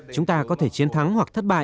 chúng ta có thể chiến thắng hoặc thất bại